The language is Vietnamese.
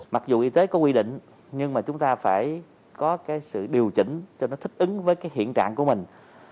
mặc dù y tế có quy định nhưng mà chúng ta phải có cái sự điều chỉnh cho nó thích ứng với cái hiện trạng của mình